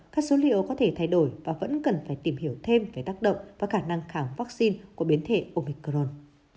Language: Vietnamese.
các số liệu có thể thay đổi và vẫn cần phải tìm hiểu thêm về tác động và khả năng kháng vaccine của biến thể omicron